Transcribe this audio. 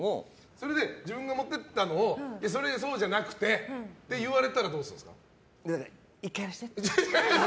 それで自分が持って行ったのをそうじゃなくて！って言われたらどうするんですか？